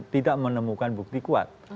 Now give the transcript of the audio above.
tidak menemukan bukti kuat